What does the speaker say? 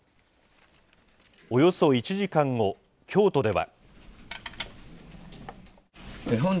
およそ１時間後、京都では。